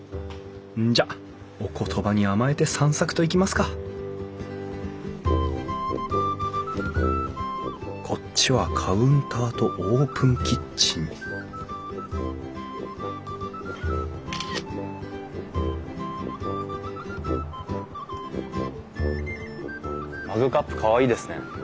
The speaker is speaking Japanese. じゃお言葉に甘えて散策といきますかこっちはカウンターとオープンキッチンマグカップかわいいですね。